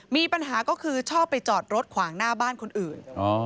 มีปัญหาก็คือชอบไปจอดรถขวางหน้าบ้านคนอื่น